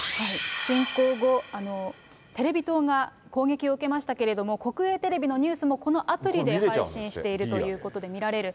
侵攻後、テレビ塔が攻撃を受けましたけれども、国営テレビのニュースもこのアプリで配信しているということで見られる。